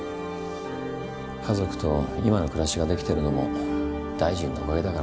家族と今の暮らしができてるのも大臣のおかげだからな。